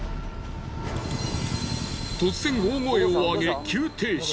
突然大声をあげ急停車。